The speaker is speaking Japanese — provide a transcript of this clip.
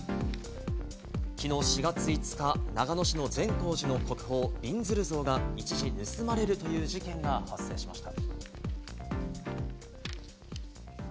昨日４月５日、長野市の善光寺の国宝、びんずる像が一時、盗まれるという事件が発生しました。